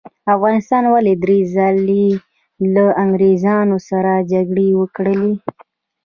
افغانانو ولې درې ځلې له انګریزانو سره جګړې وکړې؟